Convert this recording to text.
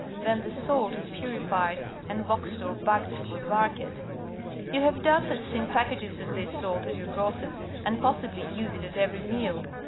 Then the salt is purified and boxed or bagged for the market. You ha\'e doubt less seen packages of this salt at your grocer's and possibly use it at every meal.